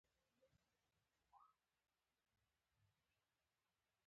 کروندګر د کرنې په ټولو چارو کې ماهر دی